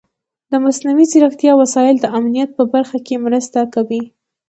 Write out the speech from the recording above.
د مصنوعي ځیرکتیا وسایل د امنیت په برخه کې مرسته کوي.